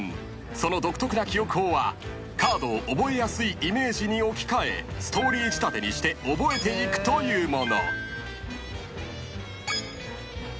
［その独特な記憶法はカードを覚えやすいイメージに置き換えストーリー仕立てにして覚えていくというもの］